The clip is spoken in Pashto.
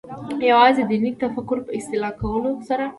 یوازې د دیني تفکر په اصلاح کولو سره.